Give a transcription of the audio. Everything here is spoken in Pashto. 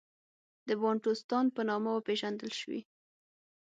د بانټوستان په نامه وپېژندل شوې.